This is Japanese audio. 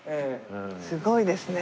すごいですね。